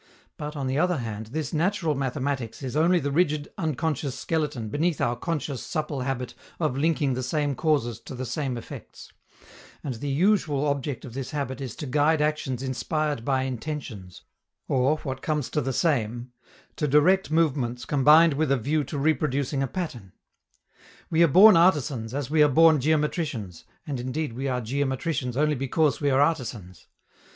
But, on the other hand, this natural mathematics is only the rigid unconscious skeleton beneath our conscious supple habit of linking the same causes to the same effects; and the usual object of this habit is to guide actions inspired by intentions, or, what comes to the same, to direct movements combined with a view to reproducing a pattern. We are born artisans as we are born geometricians, and indeed we are geometricians only because we are artisans.